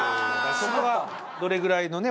そこがどれぐらいのね